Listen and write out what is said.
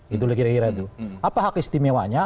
itu kira kira itu apa hak istimewanya